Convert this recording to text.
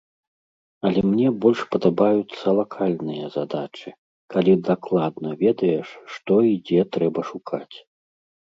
Але мне больш падабаюцца лакальныя задачы, калі дакладна ведаеш, што і дзе трэба шукаць.